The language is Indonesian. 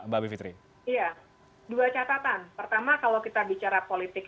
pertama kalau kita bicara politik